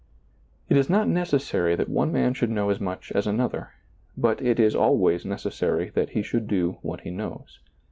It is not necessary that one man should know as much as another, but it is always necessary that he should do what he knows.